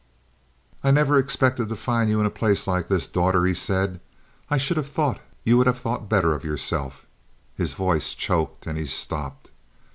"I never expected to find you in a place like this, daughter," he said. "I should have thought you would have thought better of yourself." His voice choked and he stopped.